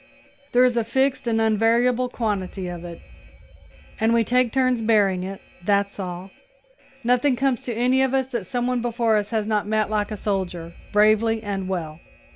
There is a fixed and unvariable quantity of it, and we take turns bearing it that's all. Nothing comes to any of us that some one before us has not met like a soldier, bravely and well."